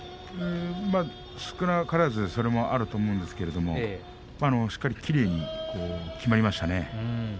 少なからずそれもあると思うんですけどもしかしきれいにきまりましたね。